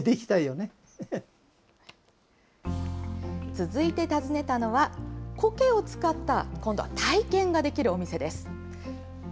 続いて訪ねたのは、コケを使った今度は体験ができるお店です。